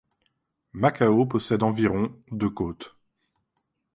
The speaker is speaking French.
Macao possède environ de côtes.